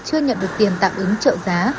chưa nhận được tiền tạm ứng trợ giá